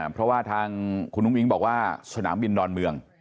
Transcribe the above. เพราะว่าทางคุณอุ้งอิ๊งบอกว่าสนามบินดอนเมือง